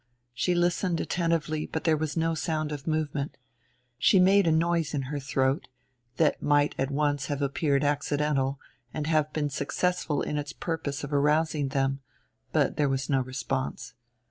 She listened attentively but there was no sound of movement. She made a noise in her throat, that might at once have appeared accidental and been successful in its purpose of arousing them; but there was no response.